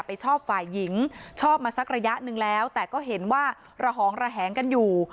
ชอบฝ่ายหญิงชอบมาสักระยะหนึ่งแล้วแต่ก็เห็นว่าระหองระแหงกันอยู่